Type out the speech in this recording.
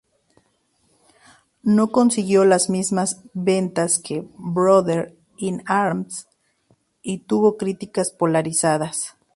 No consiguió las mismas ventas que "Brothers in Arms" y tuvo críticas polarizadas.